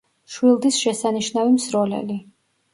მშვილდის შესანიშნავი მსროლელი.